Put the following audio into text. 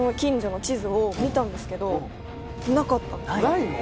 ・ないの？